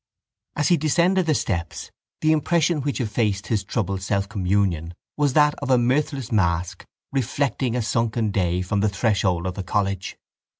As he descended the steps the impression which effaced his troubled selfcommunion was that of a mirthless mask reflecting a sunken day from the threshold of the college.